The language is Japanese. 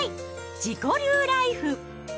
自己流ライフ。